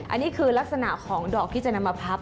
อันนี้คือลักษณะของดอกที่จะนำมาพับ